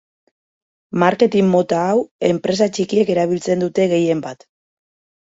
Marketin mota hau enpresa txikiek erabiltzen dute gehienbat.